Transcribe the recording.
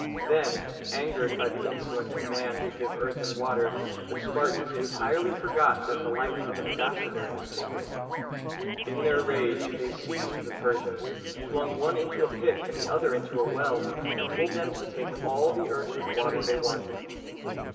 Then, angered by the insolent command to give earth and water, the Spartans entirely forgot that the life of an ambassador is sacred. In their rage, they seized the Persians, flung one into a pit and the other into a well, and told them to take all the earth and water they wanted.